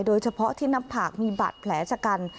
โดยเฉพาะที่น้ำผักมีบัตรแผลชกัน